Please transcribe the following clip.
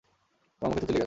তোমার মুখে থু থু লেগে আছে।